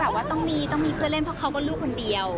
ก็แบบว่าต้องมีเพื่อนเล่นเพราะเขาก็ลูกคนเดียว